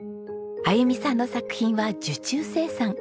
あゆみさんの作品は受注生産。